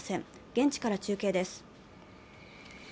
現地から中継です。